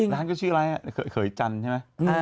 ร้านก็ชื่อร้านเขยจันทร์ใช่ไหม